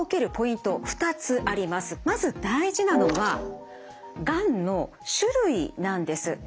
まず大事なのはがんの種類なんです。